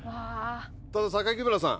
ただ榊原さん。